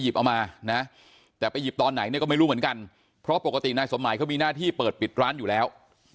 เอามานะแต่ไปหยิบตอนไหนเนี่ยก็ไม่รู้เหมือนกันเพราะปกตินายสมหมายเขามีหน้าที่เปิดปิดร้านอยู่แล้ว